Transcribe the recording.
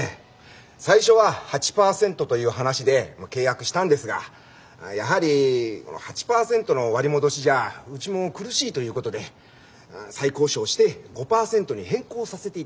最初は８％という話で契約したんですがやはり８％の割り戻しじゃうちも苦しいということで再交渉して５％に変更させて頂いたとまあこういうことですよ。